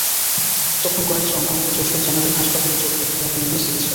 তখন কয়েকজন আমাকে যশোর জেনারেল হাসপাতালের জরুরি বিভাগে নিয়ে চিকিৎসা দেন।